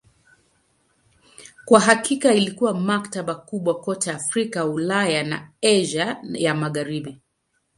Kwa hakika ilikuwa maktaba kubwa kote Afrika, Ulaya na Asia ya Magharibi.